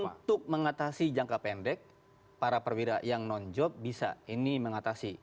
untuk mengatasi jangka pendek para perwira yang non job bisa ini mengatasi